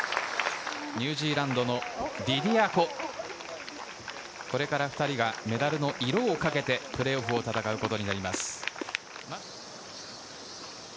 ニュージーランドのリディア・コ、これから２人がメダルの色をかけてプレーオフを戦うことになります。